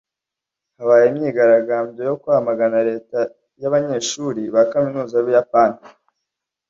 habaye imyigaragambyo yo kwamagana leta y’abanyeshuri ba kaminuza y’Ubuyapani.